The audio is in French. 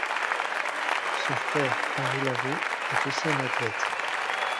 Son frère Henri Lauvaux est aussi un athlète.